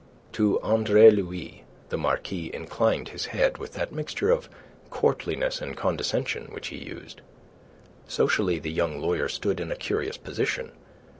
To Andre Louis the Marquis inclined his head with that mixture of courtliness and condescension which he used. Socially, the young lawyer stood in a curious position.